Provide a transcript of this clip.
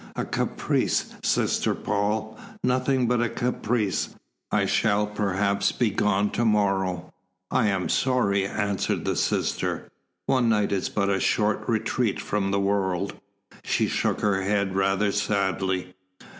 "A caprice, Sister Paul nothing but a caprice. I shall perhaps be gone to morrow." "I am sorry," answered the sister. "One night is but a short retreat from the world." She shook her head rather sadly.